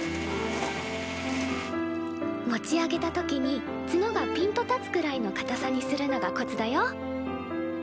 持ち上げた時に角がピンと立つくらいのかたさにするのがコツだよ。